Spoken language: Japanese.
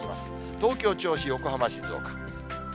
東京、銚子、横浜、静岡。